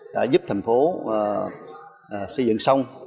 đã giúp thành phố xây dựng xong